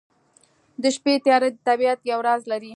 د شپې تیاره د طبیعت یو راز لري.